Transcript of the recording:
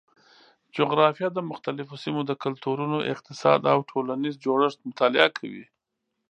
جغرافیه د مختلفو سیمو د کلتورونو، اقتصاد او ټولنیز جوړښت مطالعه کوي.